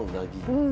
うん。